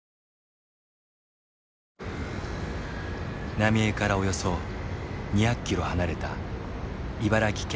浪江からおよそ２００キロ離れた茨城県つくば市。